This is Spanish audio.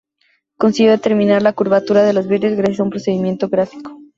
Consiguió determinar la curvatura de los vidrios gracias a un procedimiento gráfico.